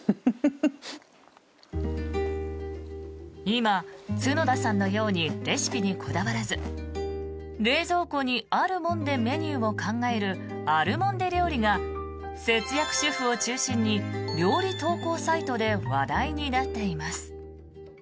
今、角田さんのようにレシピにこだわらず冷蔵庫にあるもんでメニューを考えるアルモンデ料理が節約主婦を中心に料理投稿サイトで話題になっています。